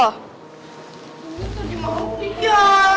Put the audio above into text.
dia tadi malu kerja